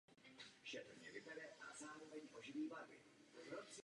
Bylo tak dosaženo zlepšení eliminace větru.